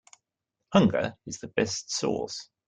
Hunger is the best sauce.